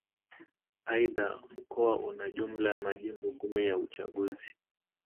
Aidha Mkoa una jumla ya Majimbo kumi ya uchaguzi